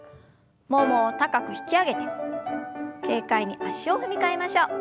ももを高く引き上げて軽快に足を踏み替えましょう。